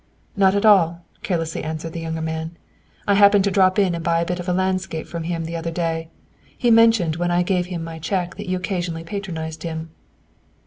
"Not at all," carelessly answered the younger man. "I happened to drop in and buy a bit of a landscape from him the other day. He mentioned when I gave him my cheque that you occasionally patronized him."